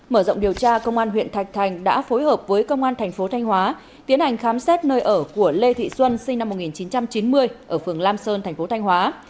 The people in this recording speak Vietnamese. mở rộng điều tra công an huyện thạch thành đã phối hợp với công an thành phố thanh hóa tiến hành khám xét nơi ở của lê thị xuân sinh năm một nghìn chín trăm chín mươi ở phường lam sơn thành phố thanh hóa